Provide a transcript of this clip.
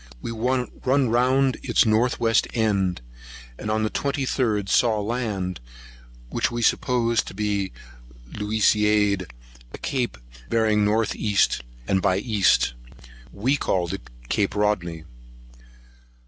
We run round its north west end, and on the 23d saw land, which we supposed to be the Luisiade, a cape bearing north east and by east. We called it Cape Rodney.